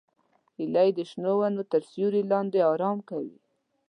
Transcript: هیلۍ د شنو ونو تر سیوري لاندې آرام کوي